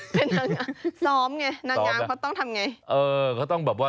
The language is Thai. เป็นนางงามซ้อมไงนางงามเขาต้องทำไง